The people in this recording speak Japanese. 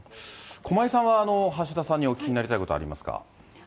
駒井さんは橋田さんにお聞きしたいことありますか？